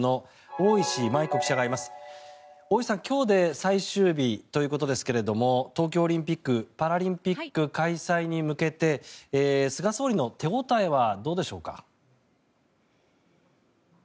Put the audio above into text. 大石さん、今日で最終日ということですけれど東京オリンピック・パラリンピック開催に向けて菅総理の手応えはどうでしょうか？